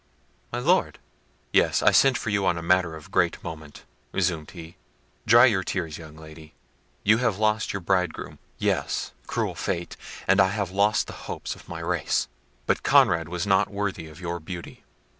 "My Lord!" "Yes, I sent for you on a matter of great moment," resumed he. "Dry your tears, young Lady—you have lost your bridegroom. Yes, cruel fate! and I have lost the hopes of my race! But Conrad was not worthy of your beauty."